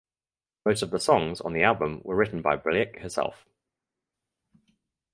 Most of the songs on the album were written by Bilyk herself.